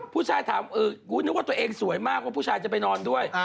ผู้ชายถามกูนึกว่าตัวเองสวยมากว่าผู้ชายจะไปนอนด้วย